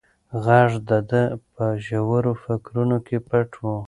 غږ د ده په ژورو فکرونو کې پټ و.